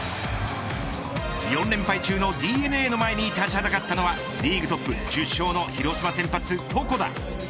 ４連敗中のＤｅＮＡの前に立ちはだかったのはリーグトップ１０勝の広島先発、床田。